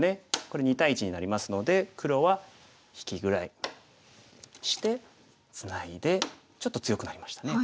これ２対１になりますので黒は引きぐらいしてツナいでちょっと強くなりましたね。